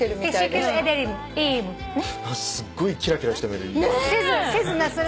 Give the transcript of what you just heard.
すっごいキラキラした目で。